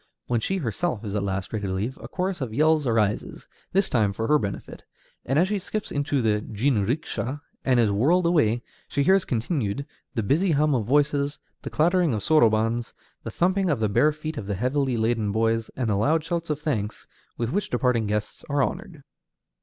When she herself is at last ready to leave, a chorus of yells arises, this time for her benefit; and as she skips into the jinrikisha and is whirled away, she hears continued the busy hum of voices, the clattering of sorobans, the thumping of the bare feet of the heavily laden boys, and the loud shouts of thanks with which departing guests are honored.